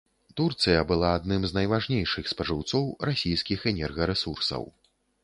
Турцыя была адным з найважнейшых спажыўцоў расійскіх энергарэсурсаў.